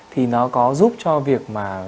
thì nó có giúp cho việc mà